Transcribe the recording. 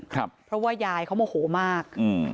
เพราะว่ายายเขาโมโหมากอืม